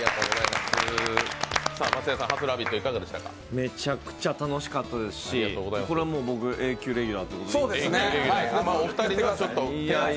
めちゃくちゃ楽しかったですし僕、永久レギュラーということで？